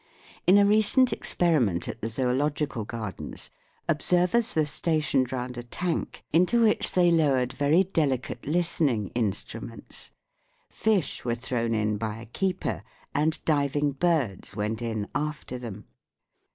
In a recent experiment at the Zoological Gardens, observers were stationed round a tank into which they lowered very delicate listening instruments. Fish were thrown in by a keeper, and diving birds went in after them.